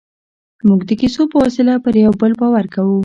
موږ د کیسو په وسیله پر یوه بل باور کوو.